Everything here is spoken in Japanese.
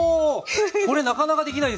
これなかなかできないですよ。